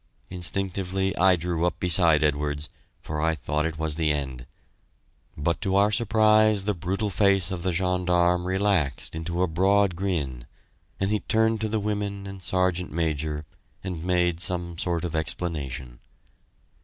Instinctively I drew up beside Edwards, for I thought it was the end; but to our surprise the brutal face of the gendarme relaxed into a broad grin, and he turned to the women and Sergeant Major and made some sort of explanation.